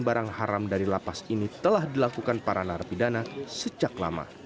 barang haram dari lapas ini telah dilakukan para narapidana sejak lama